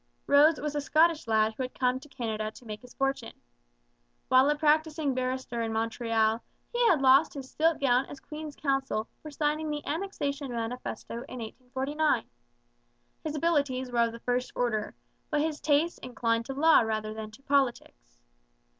Rose was a Scottish lad who had come to Canada to make his fortune. When a practising barrister in Montreal he had lost his silk gown as Queen's Counsel for signing the Annexation Manifesto in 1849. His abilities were of the first order, but his tastes inclined to law rather than to politics.